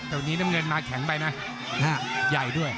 แต่วันนี้น้ำเงินมาแข็งไปนะใหญ่ด้วย